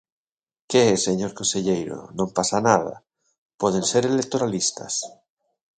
¡Que, señor conselleiro, non pasa nada!, poden ser electoralistas.